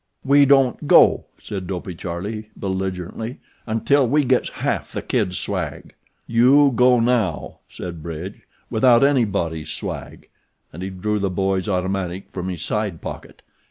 "We don't go," said Dopey Charlie, belligerently, "until we gets half the Kid's swag." "You go now," said Bridge, "without anybody's swag," and he drew the boy's automatic from his side pocket.